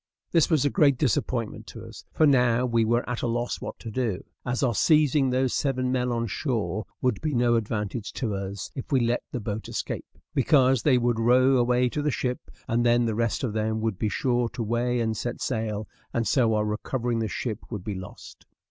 This was a great disappointment to us, for now we were at a loss what to do, as our seizing those seven men on shore would be no advantage to us if we let the boat escape; because they would row away to the ship, and then the rest of them would be sure to weigh and set sail, and so our recovering the ship would be lost.